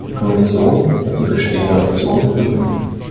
Die Kommission wird die bestehenden Optionen prüfen.